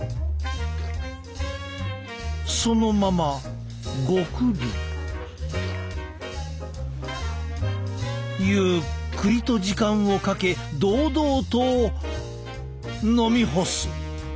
そのままゴクリ。ゆっくりと時間をかけ堂々と飲み干す。